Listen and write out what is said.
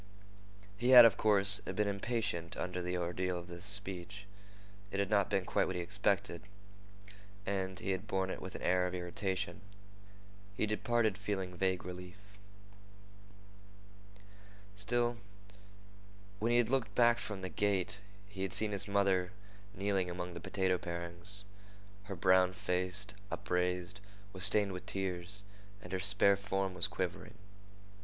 He had, of course, been impatient under the ordeal of this speech. It had not been quite what he expected, and he had borne it with an air of irritation. He departed feeling vague relief. Still, when he had looked back from the gate, he had seen his mother kneeling among the potato parings. Her brown face, upraised, was stained with tears, and her spare form was quivering.